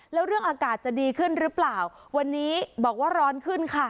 แล้วเรื่องอากาศจะดีขึ้นหรือเปล่าวันนี้บอกว่าร้อนขึ้นค่ะ